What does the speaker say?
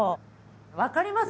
分かります？